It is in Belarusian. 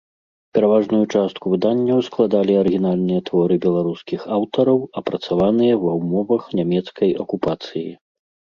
Пераважную частку выданняў складалі арыгінальныя творы беларускіх аўтараў, апрацаваныя ва ўмовах нямецкай акупацыі.